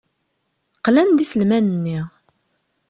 Qlan-d iselman-nni.